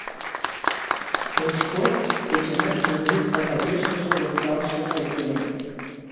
Клычков — кечынат дневник кагазешыже возгалше айдеме.